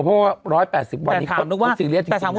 เพราะว่า๑๘๐วันนี้ความสิริสต์จริงมาก